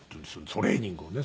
トレーニングをね。